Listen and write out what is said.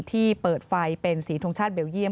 ที่เปิดไฟเป็นสีทงชาติเบลเยี่